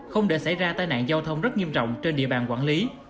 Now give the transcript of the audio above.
không để xảy ra tai nạn giao thông rất nghiêm trọng trên địa bàn quản lý